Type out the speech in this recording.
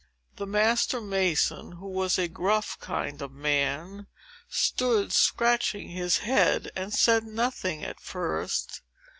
The master mason, who was a gruff kind of man, stood scratching his head, and said nothing, at first.